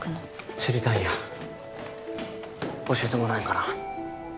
知りたいんや教えてもらえんかな？